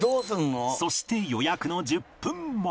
そして予約の１０分前